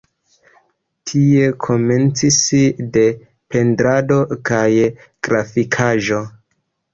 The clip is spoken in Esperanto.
Tie komencis de pentrado kaj grafikaĵoj.